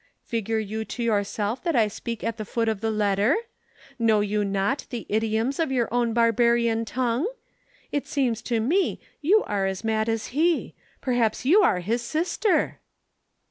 "Figure you to yourself that I speak at the foot of the letter? Know you not the idioms of your own barbarian tongue? It seems to me you are as mad as he. Perhaps you are his sister."